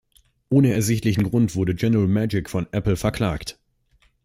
Ohne ersichtlichen Grund wurde General Magic von Apple verklagt.